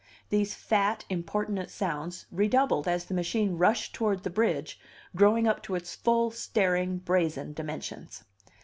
These fat, importunate sounds redoubled as the machine rushed toward the bridge, growing up to its full staring, brazen dimensions.